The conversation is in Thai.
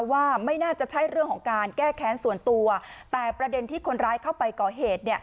ว่าไม่น่าจะใช่เรื่องของการแก้แค้นส่วนตัวแต่ประเด็นที่คนร้ายเข้าไปก่อเหตุ